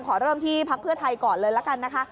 ขอเริ่มที่พักเพื่อไทยก่อนเลยละกันนะคะ